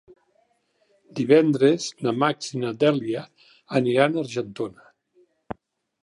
Divendres en Max i na Dèlia aniran a Argentona.